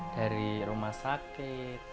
dari rumah sakit